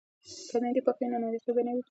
که میندې پاکې وي نو ناروغي به نه وي.